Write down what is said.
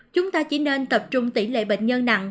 chúng ta chỉ nên tập trung tỷ lệ bệnh nhân nặng